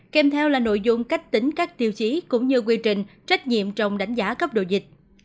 kèm theo là nội dung cách tính các tiêu chí cũng như quy trình trách nhiệm trong đánh giá cấp độ dịch